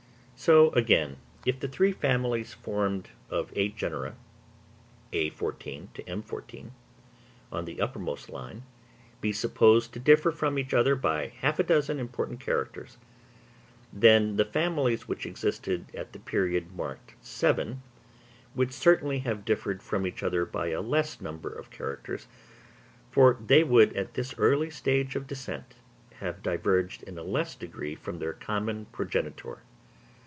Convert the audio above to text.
So again, if the three families formed of eight genera (_a_14 to _m_14), on the uppermost line, be supposed to differ from each other by half a dozen important characters, then the families which existed at a period marked VI would certainly have differed from each other by a less number of characters; for they would at this early stage of descent have diverged in a less degree from their common progenitor.